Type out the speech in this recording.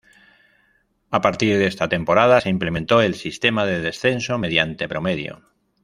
A partir de esta temporada se implementó el sistema de descenso mediante promedio.